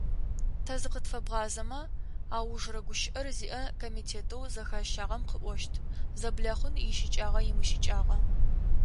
Тэ зыкъытфэбгъазэмэ, аужрэ гущыӏэр зиӏэ комитетэу зэхащагъэм къыӏощт, зэблэхъун ищыкӏагъа-имыщыкӏагъа.